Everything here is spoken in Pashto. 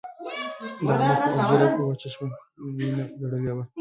د هغه مخ او ږیره په وچه شوې وینه لړلي وو